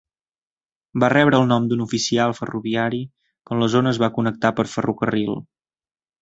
Va rebre el nom d'un oficial ferroviari quan la zona es va connectar per ferrocarril.